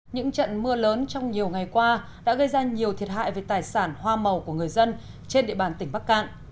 những trận mưa lớn trong nhiều ngày qua đã gây ra nhiều thiệt hại về tài sản hoa màu của người dân trên địa bàn tỉnh bắc cạn